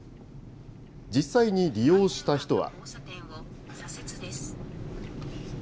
実際に利用した人は。